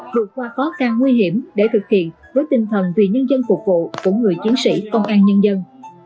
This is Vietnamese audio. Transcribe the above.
vượt qua khó khăn nguy hiểm để thực hiện với tinh thần vì nhân dân phục vụ của người chiến sĩ công an nhân dân